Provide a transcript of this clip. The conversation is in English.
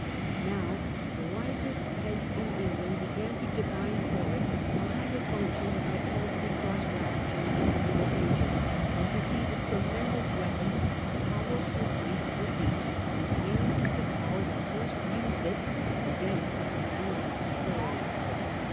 But now the wisest heads in England began to divine for it a higher function than the paltry cross ravaging of the Middle Ages, and to see the tremendous weapon a powerful fleet would be in the hands of the power that first used it against an enemy's trade.